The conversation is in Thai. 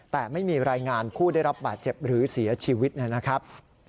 แต่ไม่มีรายงานผู้ได้รับบาดเจ็บหรือเสียชีวิตนะครับ